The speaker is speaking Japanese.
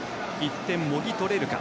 １点もぎ取れるか。